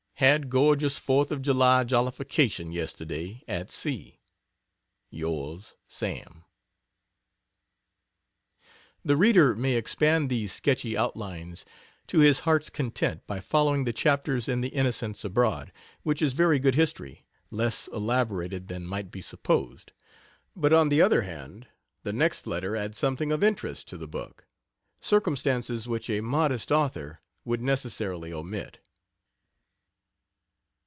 Had gorgeous 4th of July jollification yesterday at sea. Yrs. SAM. The reader may expand these sketchy outlines to his heart's content by following the chapters in The Innocents Abroad, which is very good history, less elaborated than might be supposed. But on the other hand, the next letter adds something of interest to the book circumstances which a modest author would necessarily omit.